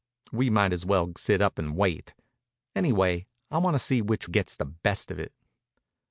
We might as well sit up and wait. Anyway I want to see which gets the best of it."